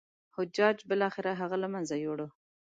حجاج بالاخره هغه له منځه یووړ.